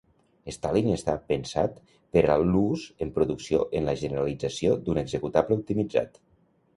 Stalin està pensat per a l'ús en producció en la generació d'un executable optimitzat.